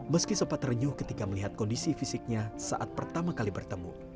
meski sempat renyuh ketika melihat kondisi fisiknya saat pertama kali bertemu